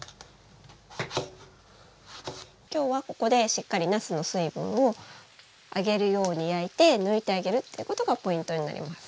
今日はここでしっかりなすの水分を揚げるように焼いて抜いてあげるっていうことがポイントになります。